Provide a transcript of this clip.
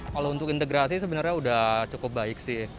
kalau untuk integrasi sebenarnya sudah cukup baik sih